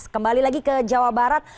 kembali lagi ke jawa barat